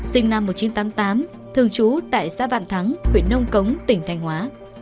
sinh năm một nghìn chín trăm tám mươi tám thường trú tại xã vạn thắng huyện nông cống tỉnh thành hóa